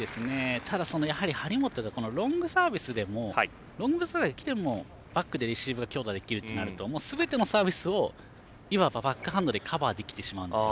ただ、張本がロングサービスがきてもバックでレシーブが強打できるとなるとすべてのサービスを今はバックハンドでカバーできてしまうんですよ。